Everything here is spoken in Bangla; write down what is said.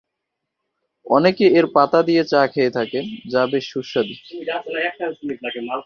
অনেকে এর পাতা দিয়ে চা খেয়ে থাকেন, যা বেশ সুস্বাদু।